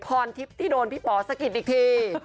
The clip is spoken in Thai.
คอนทิปที่โดนพี่ป๋อสกิดอีกที